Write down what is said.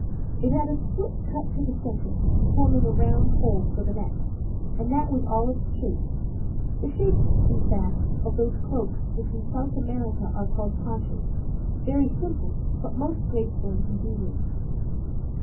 It had a split cut to the center, forming a round hole for the neck and that was all its shape; the shape, in fact, of those cloaks which in South America are called ponchos very simple, but most graceful and convenient.